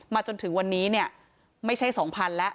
มาจนถึงวันนี้ไม่ใช่๒๐๐๐แล้ว